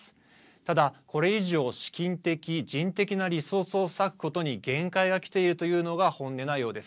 ただ、これ以上資金的・人的なリソースを割くことに限界がきているというのが本音なようです。